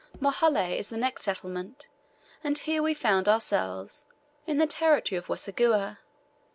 Muhalleh is the next settlement, and here we found ourselves in the territory of the Waseguhha.